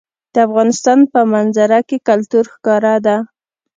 د افغانستان په منظره کې کلتور ښکاره ده.